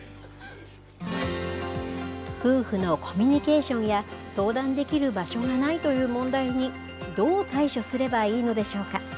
夫婦のコミュニケーションや、相談できる場所がないという問題に、どう対処すればいいのでしょうか。